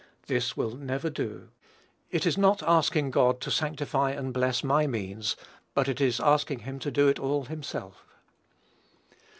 This will never do. It is not asking God to sanctify and bless my means, but it is asking him to do it all himself.